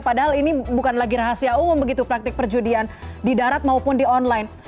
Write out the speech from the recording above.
padahal ini bukan lagi rahasia umum begitu praktik perjudian di darat maupun di online